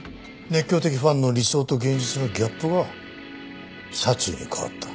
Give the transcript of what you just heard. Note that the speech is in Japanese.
熱狂的ファンの理想と現実のギャップが殺意に変わった。